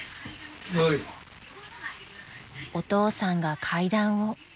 ［お父さんが階段を］